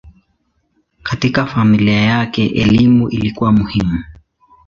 Katika familia yake elimu ilikuwa muhimu.